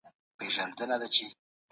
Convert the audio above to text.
مکناتن د جګړې په جریان کې ناامیده شو.